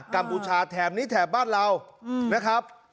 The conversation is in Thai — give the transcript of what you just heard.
กัมปุกชาติแถมนี้แถบบ้านเรา